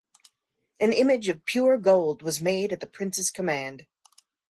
An image of pure gold was made at the prince’s command.